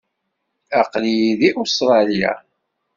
Aql-iyi deg Ustṛalya.